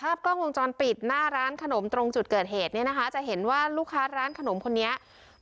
อ่าต้องมาลุ่มไอ้น้องคนเดียว